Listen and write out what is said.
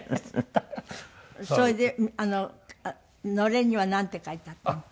それでのれんにはなんて書いてあったの？